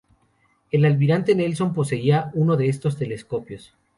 El almirante Nelson poseía uno de estos telescopios.